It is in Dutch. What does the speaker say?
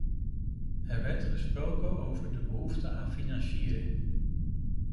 Er werd gesproken over de behoefte aan financiering.